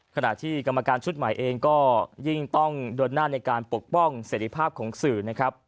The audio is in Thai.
ขณะที่กรรมการชุดใหม่เองก็ยิ่งต้องเดินหน้าในการปกป้องเสร็จภาพของสื่อนะครับ